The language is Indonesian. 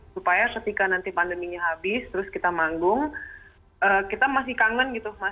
supaya ketika nanti pandeminya habis terus kita manggung kita masih kangen gitu